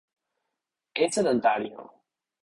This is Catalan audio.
És sedentària.